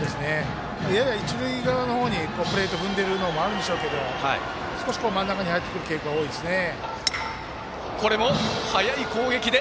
やや一塁側の方にプレート踏んでるのもあるんでしょうけど少し真ん中に入ってくる傾向多いですね。